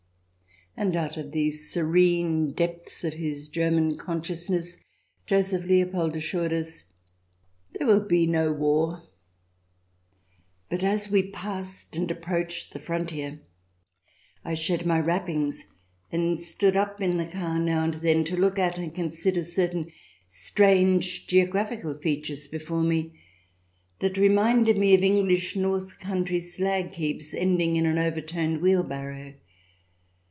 And out of the serene depths of his German conscious ness Joseph Leopold assured us :" There will be no war !" But as we passed and approached the frontier I shed my wrappings and stood up in the car now and then, to look at and consider certain strange geographical features before me that reminded me of English north country slag heaps, ending in an overturned wheelbarrow.